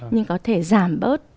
nhưng có thể giảm bớt